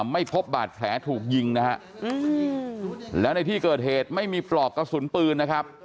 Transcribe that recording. ไม่พบบาดแผลถูกยิงนะฮะแล้วในที่เกิดเหตุไม่มีปลอกกระสุนปืนนะครับ